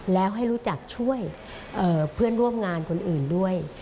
แล้วให้รู้จักช่วยเพื่อนร่วมงานคนอื่นด้วย